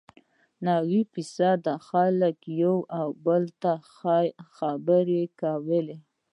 نوي فیصده خلکو یو او بل ته خبرې کولې.